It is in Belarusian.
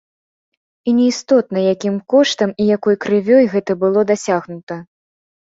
І неістотна, якім коштам і якой крывёю гэта было дасягнута.